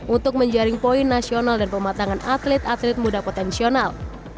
untuk menjaring poin nasional dan pematangan atlet atlet muda potensial